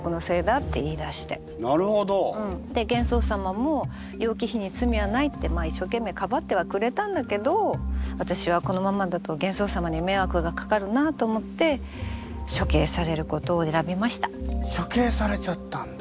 玄宗様も楊貴妃に罪はないって一生懸命かばってはくれたんだけど私はこのままだと玄宗様に迷惑がかかるなと思って処刑されちゃったんだ。